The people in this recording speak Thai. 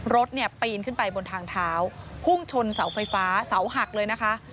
รถเนี่ยปีนขึ้นไปบนทางเท้าพุ่งชนเสาไฟฟ้าเสาหักเลยนะคะ